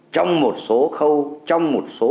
trong một số khâu trong một số